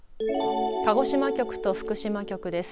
鹿児島局と福島局です。